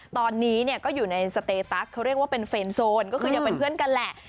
ตอนนี้เนี่ยก็อยู่ในสเตตัสเขาเรียกว่าเป็นเฟรนโซนก็คือยังเป็นเพื่อนกันแหละ